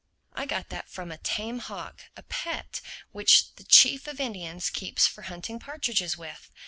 I got that from a tame hawk, a pet, which the Chief of the Indians keeps for hunting partridges with.